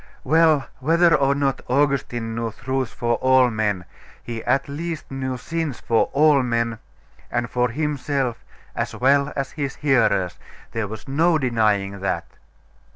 Well, whether or not Augustine knew truths for all men, he at least knew sins for all men, and for himself as well as his hearers. There was no denying that.